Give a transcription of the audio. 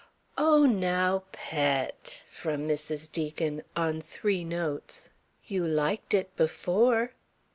"Oh now, Pet!" from Mrs. Deacon, on three notes. "You liked it before."